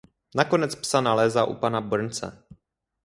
Nakonec psa nalézá u pana Burnse.